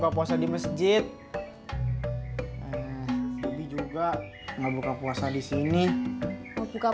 kau semua sentiasa kembali